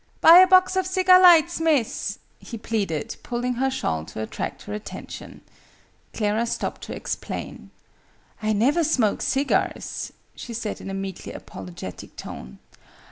"Buy a box of cigar lights, Miss!" he pleaded, pulling her shawl to attract her attention. Clara stopped to explain. "I never smoke cigars," she said in a meekly apologetic tone.